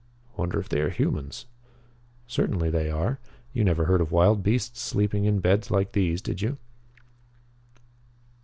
"Wonder if they are humans?" "Certainly they are. You never heard of wild beasts sleeping in beds like these, did you?"